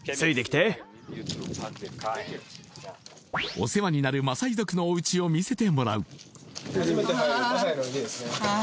お世話になるマサイ族のおうちを見せてもらうはい